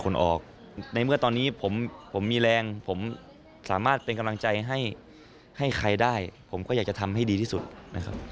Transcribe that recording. ออกในเมื่อตอนนี้ผมมีแรงผมสามารถเป็นกำลังใจให้ให้ใครได้ผมก็อยากจะทำให้ดีที่สุดนะครับ